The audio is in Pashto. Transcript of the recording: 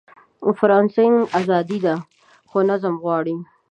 فریلانسنګ ازادي ده، خو نظم غواړي.